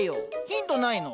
ヒントないの？